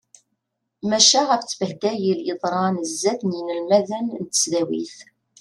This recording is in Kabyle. Maca ɣef ttbehdayel yeḍran sdat n yinelmaden n tesdawit.